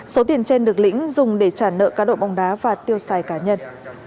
số tiền trên được lĩnh dùng để trả nợ các đội bóng đá và tiêu xài cá nhân